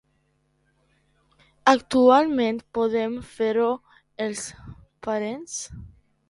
Actualment poden fer-ho, els parents?